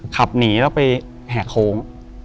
ขับหนีแล้วไปแห่โค้ง